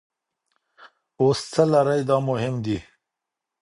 اوس څه لرئ دا مهم دي.